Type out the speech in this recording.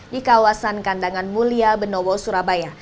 di kawasan kandangan mulia benowo surabaya